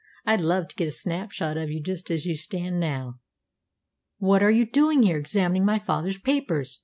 I'd love to get a snapshot of you just as you stand now." "What are you doing there, examining my father's papers?"